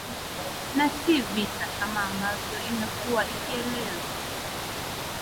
na si vita kama ambavyo imekuwa ikielezwa